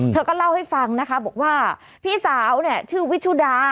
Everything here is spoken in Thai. เธอก็เล่าให้ฟังนะคะบอกว่าพี่สาวเนี่ยชื่อวิชุดา